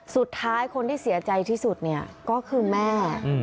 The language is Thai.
สุดท้ายคนที่เสียใจที่สุดเนี่ยก็คือแม่